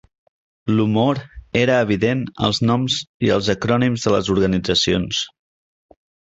L'humor era evident als noms i als acrònims de les organitzacions.